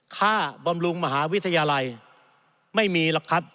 บำรุงมหาวิทยาลัยไม่มีหรอกครับ